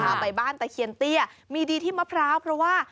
ไปบ้านตะเคียนเตี้ยมีดีที่มะพร้าวเพราะว่า